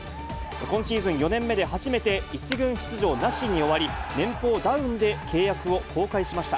今シーズン４年目で初めて、１軍出場なしに終わり、年俸ダウンで契約を更改しました。